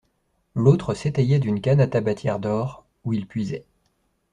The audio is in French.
L'autre s'étayait d'une canne à tabatière d'or, où il puisait.